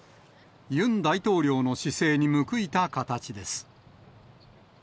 ユン大統領の姿勢に報いた形です。